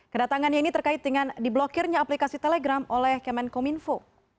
kedatangannya ini terkait dengan diblokirnya aplikasi telegram oleh kemenkominfo